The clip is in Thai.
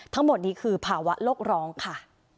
ทั้งหมดนี้คือภาวะโลกร้องค่ะ